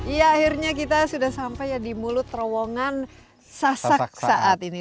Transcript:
iya akhirnya kita sudah sampai ya di mulut terowongan sasak saat ini